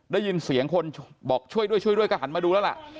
ได้ยินเสียงคนบอกช่วยด้วยช่วยด้วยก็หันมาดูแล้วล่ะ